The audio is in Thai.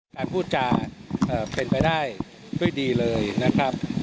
การพูดจาเป็นไปได้ด้วยดีเลยนะครับ